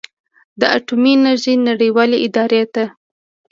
د اټومي انرژۍ نړیوالې ادارې ته